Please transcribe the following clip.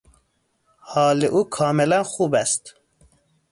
حال او کاملا خوب است.